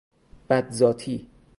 بد ذاتی